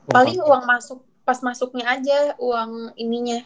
paling uang pas masuknya aja uang ininya